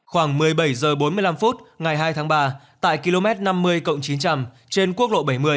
khoảng một mươi bảy h bốn mươi năm ngày hai tháng ba tại km năm mươi chín trăm linh trên quốc lộ bảy mươi